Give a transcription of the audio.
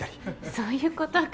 そういうことか。